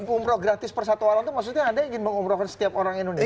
umroh gratis per satu orang itu maksudnya anda ingin mengomrohkan setiap orang indonesia